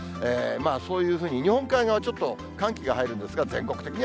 そういうふうに日本海側、ちょっと寒気が入るんですが、全国的に